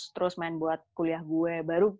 terus main buat kuliah gue